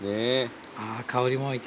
あぁ香りもいい。